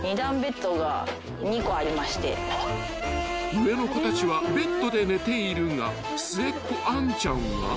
［上の子たちはベッドで寝ているが末っ子］